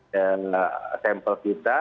dan sampel kita